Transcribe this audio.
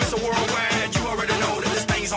di surabaya youth dua ribu sembilan belas siang ini